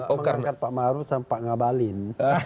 mengangkat pak ma'ruf sama pak ngabalin